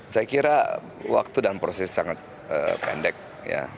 saya kira waktu dan proses sangat pendek ya